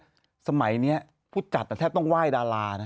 ในสมัยนี้ผู้จัดแต่แทบต้องไหว่ดาราเนอะ